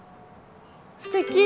すてき！